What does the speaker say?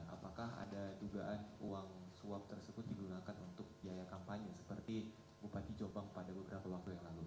apakah ada dugaan uang suap tersebut digunakan untuk biaya kampanye seperti bupati jombang pada beberapa waktu yang lalu